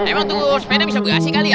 emang tuh sepeda bisa begasi kali ya